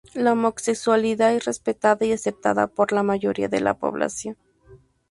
La homosexualidad es respetada y aceptada por la mayoría de la población.